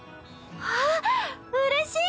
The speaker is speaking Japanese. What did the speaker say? わあっうれしい！